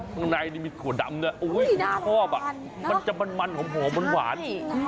ข้าวในนี้มีขวดดำเนี่ยอุ้ยชอบอ่ะมันจะมันหอมมันหวาน